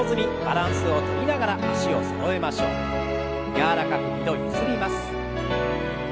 柔らかく２度ゆすります。